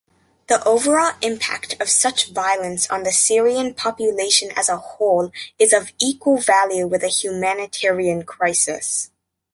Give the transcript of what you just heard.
The overall impact of such violence on the Syrian population as a whole is of equal value with a humanitarian crisis.